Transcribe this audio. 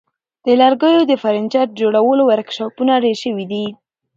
د لرګیو د فرنیچر جوړولو ورکشاپونه ډیر شوي دي.